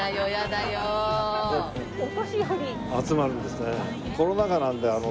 集まるんですね。